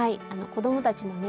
子どもたちもね